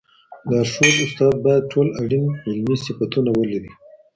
لارښود استاد باید ټول اړین علمي صفتونه ولري.